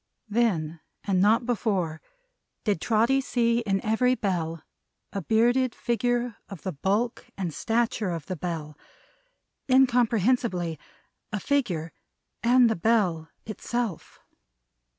Then and not before, did Trotty see in every Bell a bearded figure of the bulk and stature of the Bell incomprehensibly, a figure and the Bell itself.